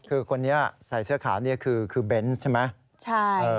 คือคนนี้ใส่เสื้อขาวนี่คือเบนส์ใช่ไหม